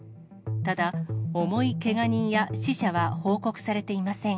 ただ、重いけが人や死者は報告されていません。